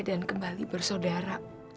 dan kembali bersaudara